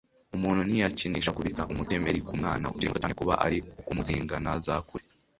Umuntu ntiyakinisha kubika umutemeri ku mwana ukiri muto cyane, kuba ari ukumuzinga ntazakure